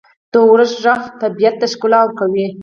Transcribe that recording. • د اورښت ږغ طبیعت ته ښکلا ورکوي.